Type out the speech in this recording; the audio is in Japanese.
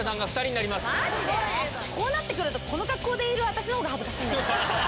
こうなって来るとこの格好でいる私のほうが恥ずかしい。